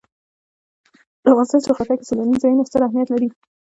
د افغانستان جغرافیه کې سیلانی ځایونه ستر اهمیت لري.